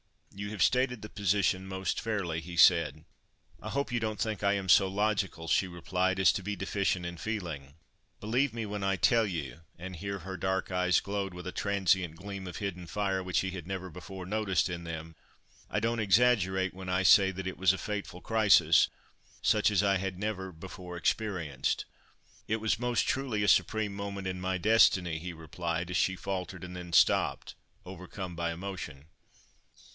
"You have stated the position most fairly," he said. "I hope you don't think I am so logical," she replied, "as to be deficient in feeling. Believe me when I tell you"—and here her dark eyes glowed with a transient gleam of hidden fire, which he had never before noticed in them—"I don't exaggerate when I say that it was a fateful crisis, such as I had never before experienced." "It was most truly a supreme moment in my destiny," he replied, as she faltered and then stopped, overcome by emotion.